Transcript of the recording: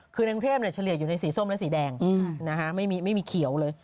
คือในกรุงเทพเฉลี่ยอยู่ในสีส้มและสีแดงไม่มีเขียวเลย